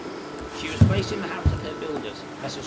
She was placed in the hands of her builders, Messrs.